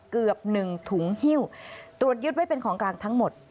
เกือบหนึ่งถุงหิ้วตรวจยึดไว้เป็นของกลางทั้งหมด